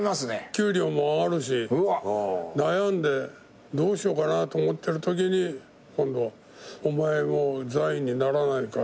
給料も上がるし悩んでどうしようかなと思ってるときに今度「お前も座員にならないか？」